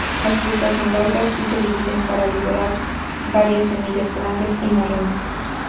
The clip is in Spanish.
Las frutas son largas y se dividen para liberar varias semillas grandes y marrones.